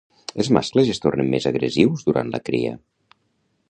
Els mascles es tornen més agressius durant la cria.